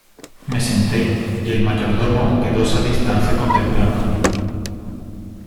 me senté, y el mayordomo quedóse a distancia contemplándome.